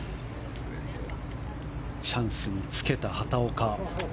チャンスにつけた畑岡。